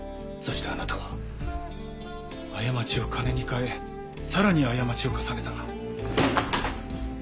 そしてあなたは過ちを金に換えさらに過ちを重ねた。